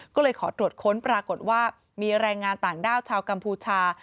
ก็เลยขอตรวจค้นปรากฏว่ามีแรงงานต่างด้าวชาวกัมพูชา